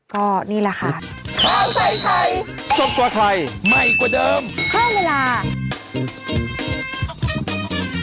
ก็นี่แหละค่ะ